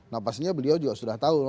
nah pastinya beliau juga sudah tahu